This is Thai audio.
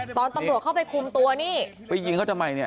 ตอนตำรวจเข้าไปคุมตัวนี่ไปยิงเขาทำไมเนี่ย